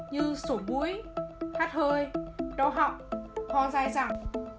như sổ búi hát hơi đau họng ho dài dặn